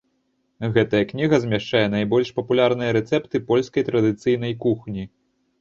Гэтая кніга змяшчае найбольш папулярныя рэцэпты польскай традыцыйнай кухні.